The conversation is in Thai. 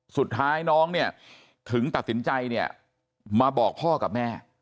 สุดท้ายน้องถึงตัดสินใจมาบอกพ่อกับแม่